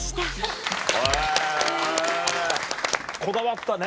こだわったね。